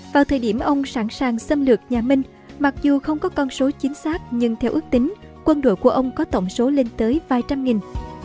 vào thời điểm ông sẵn sàng xâm lược nhà minh mặc dù không có con số chính xác nhưng theo ước tính quân đội của ông có tổng số lên tới vài trăm nghìn